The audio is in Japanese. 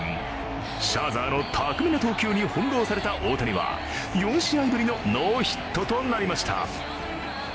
シャーザーの巧みな投球に翻弄された大谷は４試合ぶりのノーヒットとなりました。